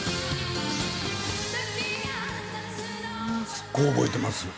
すっごく覚えていますよ